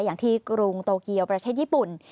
อย่างที่กรุงโตเกียวประเทศญี่ปุ่น